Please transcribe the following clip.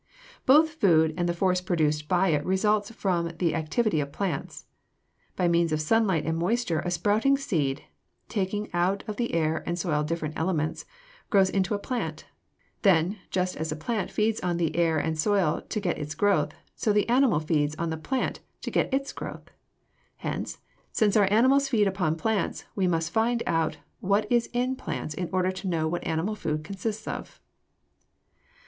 Both food and the force produced by it result from the activity of plants. By means of sunlight and moisture a sprouting seed, taking out of the air and soil different elements, grows into a plant. Then, just as the plant feeds on the air and soil to get its growth, so the animal feeds on the plant, to get its growth. Hence, since our animals feed upon plants, we must find out what is in plants in order to know what animal food consists of.